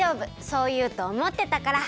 そういうとおもってたから。